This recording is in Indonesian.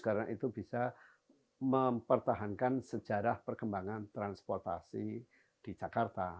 karena itu bisa mempertahankan sejarah perkembangan transportasi di jakarta